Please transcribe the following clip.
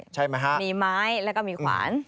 ใช่ไหมฮะมีไม้แล้วก็มีขวาน